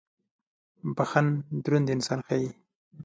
• بخښن دروند انسان ښيي.